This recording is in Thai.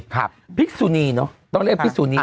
พิกษุนีเนอะต้องเรียกพิสุนี